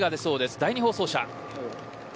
第２放送車。